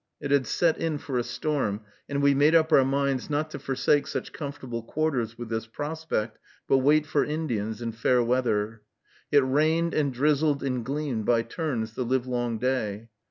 It had set in for a storm, and we made up our minds not to forsake such comfortable quarters with this prospect, but wait for Indians and fair weather. It rained and drizzled and gleamed by turns, the livelong day.